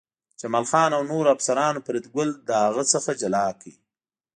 جمال خان او نورو افسرانو فریدګل له هغه څخه جلا کړ